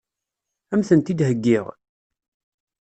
Ad m-tent-id-heggiɣ?